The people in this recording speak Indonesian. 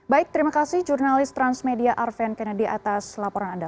baik terima kasih jurnalis transmedia arven kennedy atas laporan anda